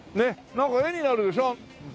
なんか絵になるでしょう。